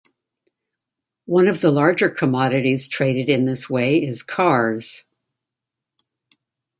One of the larger commodities traded in this way is cars.